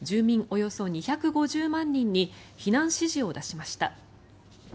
およそ２５０万人に避難指示を出しました。